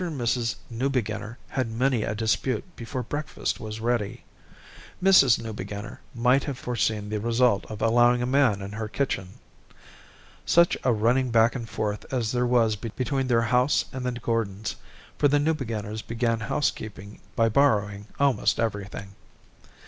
and Mrs. Newbeginner had many a dispute before breakfast was ready. Mrs. Newbeginner might have foreseen the result of allowing a man in her kitchen. Such a running back and forth as there was between their house and the Gordons'; for the Newbeginners began housekeeping by borrowing almost everything.